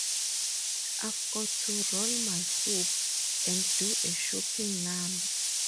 I've got to roll my hoop and do a shopping number.